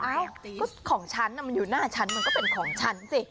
เอ้าก็ของฉันมันอยู่หน้าฉันมันก็เป็นของฉันสิ